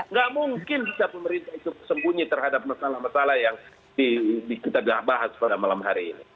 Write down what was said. nggak mungkin bisa pemerintah itu sembunyi terhadap masalah masalah yang kita bahas pada malam hari ini